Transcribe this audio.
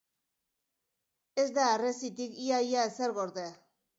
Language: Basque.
Ez da harresitik ia-ia ezer gorde.